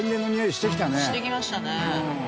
してきましたね。